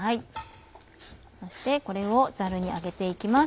そしてこれをザルに上げて行きます。